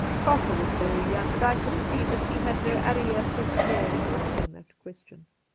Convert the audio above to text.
Carter was very young, and I could see that he had no arriere pensee in asking that question.